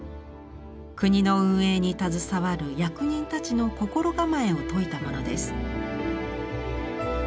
国の運営に携わる役人たちの心構えを説いたものです。